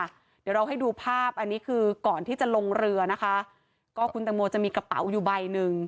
เดี๋ยวเราให้ดูภาพอันนี้คือก่อนที่จะลงเรือนะคะก็คุณตังโมจะมีกระเป๋าอยู่ใบหนึ่ง